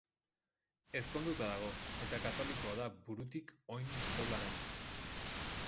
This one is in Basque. Ezkonduta dago, eta katolikoa da burutik oin-zolaraino.